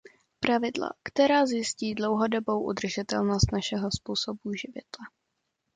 Pravidla, která zajistí dlouhodobou udržitelnost našeho způsobu života.